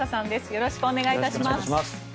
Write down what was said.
よろしくお願いします。